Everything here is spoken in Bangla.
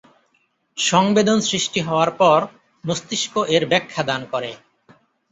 সংবেদন সৃষ্টি হওয়ার পর মস্তিষ্ক এর ব্যাখ্যা দান করে।